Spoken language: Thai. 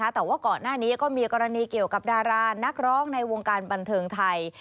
แต่ว่าก่อนหน้านี้ก็มีกรณีเกี่ยวกับดารานักร้องในวงการบันเทิงไทย